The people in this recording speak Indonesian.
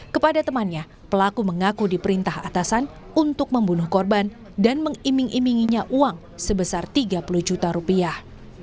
kepada temannya pelaku mengaku diperintah atasan untuk membunuh korban dan mengiming iminginya uang sebesar tiga puluh juta rupiah